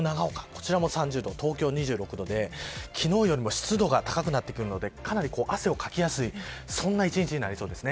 こちらも３０度、東京２６度で昨日よりも湿度が高くなってくるのでかなり汗をかきやすいそんな一日になりそうです。